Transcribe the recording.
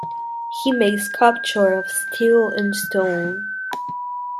He made sculpture of steel and stone.